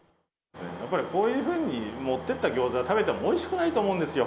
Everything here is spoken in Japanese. こういうふうに持っていった餃子食べてもおいしくないと思うんですよ。